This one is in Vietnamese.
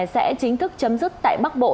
sẽ chính thức chấm dứt tại bắc bộ